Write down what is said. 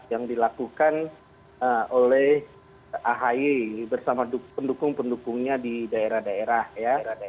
yang dilakukan oleh ahy bersama pendukung pendukungnya di daerah daerah ya